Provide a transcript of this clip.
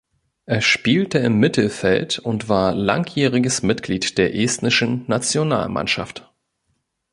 Er spielte im Mittelfeld und war langjähriges Mitglied der estnischen Nationalmannschaft.